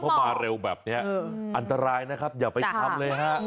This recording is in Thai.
เพราะมาเร็วแบบนี้อันตรายนะครับอย่าไปทำเลยฮะ